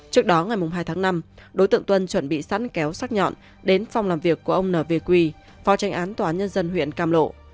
trước đó ngày hai tháng năm đối tượng tuân chuẩn bị sẵn kéo sắc nhọn đến phòng làm việc của ông n v quy phó tranh án tòa án nhân dân huyện cam lộ